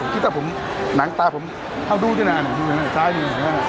คิดว่าผมหนังตาผมเอ้าดูสิหนังมือใหม่ท้ายหนุ่ม